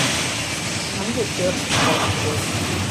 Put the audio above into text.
Ынде тӧр шупшаш кӱлеш.